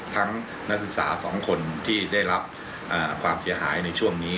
นักศึกษา๒คนที่ได้รับความเสียหายในช่วงนี้